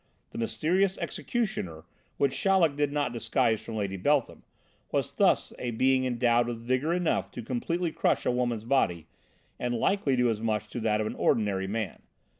The mysterious 'executioner,' which Chaleck did not disguise from Lady Beltham, was thus a being endowed with vigour enough to completely crush a woman's body, and likely do as much to that of an ordinary man.